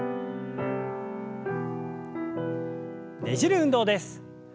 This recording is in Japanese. ねじる運動です。